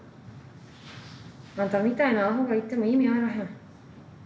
あんたみたいなアホが行っても意味あらへん。